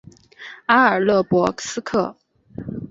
阿尔勒博斯克。